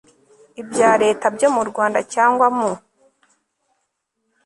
ibya Leta byo mu Rwanda cyangwa mu